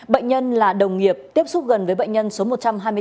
bệnh nhân là đồng nghiệp tiếp xúc gần với bệnh nhân số một trăm hai mươi bốn